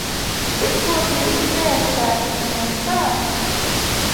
Ukundi imisha mesa?